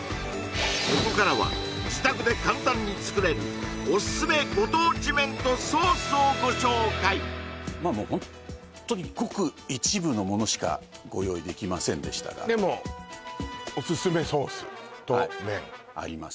ここからは自宅で簡単に作れるオススメご当地麺とソースをご紹介ホントにごく一部のものしかご用意できませんでしたがでもオススメソースと麺あります